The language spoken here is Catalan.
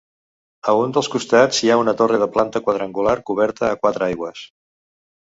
A un dels costats hi ha una torre de planta quadrangular coberta a quatre aigües.